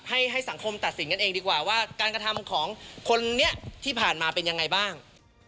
ให้สังคมตัดสินกันเองดีกว่าว่าการกระทำของคนนี้ที่ผ่านมาเป็นยังไงบ้าง